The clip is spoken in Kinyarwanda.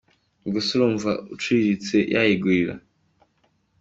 Ubwo se urumva umuntu uciriritse yayigurira